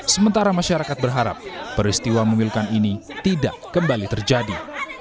sementara masyarakat berharap peristiwa memilukan ini tidak kembali terjadi